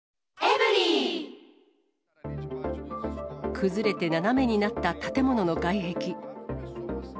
崩れて斜めになった建物の外壁。